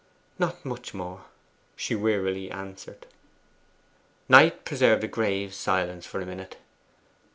'Not much more,' she wearily answered. Knight preserved a grave silence for a minute.